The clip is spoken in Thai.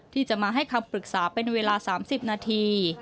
ที่จะมาให้คำปรึกษาเป็นเวลา๓๐นาที